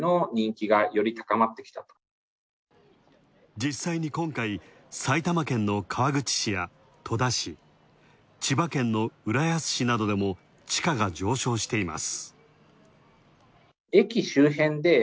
実際に今回、埼玉県の川口市や戸田市、千葉県の浦安市などでも地価が上昇しています。